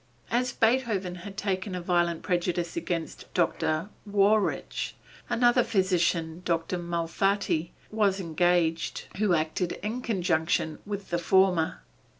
As Beethoven had taken a violent prejudice against Dr. Wawruch, another physician, Dr. Malfatti, was engaged, who acted in conjunction with the former.